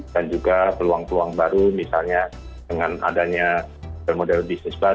dan juga peluang peluang baru misalnya dengan adanya termodel bisnis